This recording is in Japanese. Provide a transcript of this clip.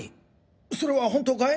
それは本当かい？